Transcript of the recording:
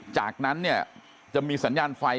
จากนั้นเนี่ยจะมีสัญญาณไฟ